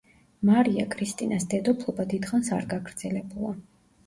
მარია კრისტინას დედოფლობა დიდხანს არ გაგრძელებულა.